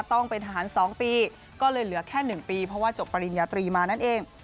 ต้องเป็นทหาร๒ปีก็เลยเหลือแค่๑ปีเพราะว่าจบปริญญาตรีมานั่นเอง